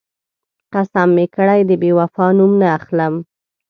قسم مې کړی، د بېوفا نوم نه اخلم.